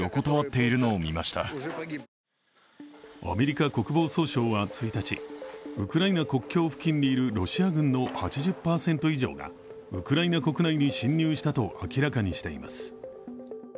アメリカ国防総省は１日、ウクライナ国境付近にいるロシア軍の８０％以上がウクライナ国内に侵入したと明らかにしています。